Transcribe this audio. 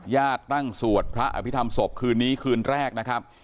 ตั้งสวดพระอภิษฐรรมศพคืนนี้คืนแรกนะครับ